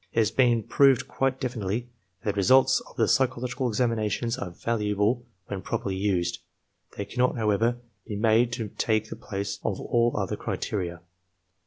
It has been proved quite definitely that the results of the psychological examinations are valuable when properly used. They cannot, however, be made to take the place of all other criteria.